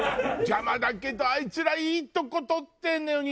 邪魔だけどあいつらいいとこ取ってんのよ